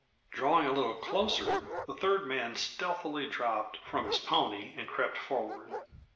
Drawing a little closer, the third man stealthily dropped from his pony and crept forward.